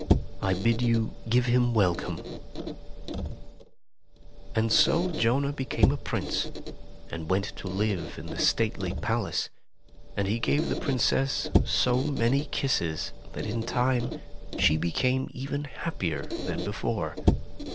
I bid you give him welcome," Tales of Modem Germany 73 And so Jonah became a prince and went to live in the stately palace, and he gave the Princess so many kisses that in time she became even happier than before.